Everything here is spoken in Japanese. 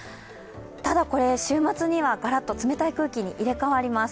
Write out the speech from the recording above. ただこれ、週末にはがらっと冷たい空気に入れ替わります。